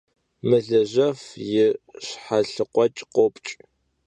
Mıhejjef yi şhelıkhueç' khopç'.